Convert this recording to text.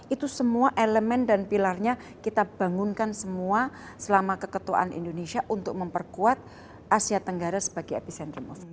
itu semua elemen dan pilarnya kita bangunkan semua selama keketuaan indonesia untuk memperkuat asia tenggara sebagai epicentrum of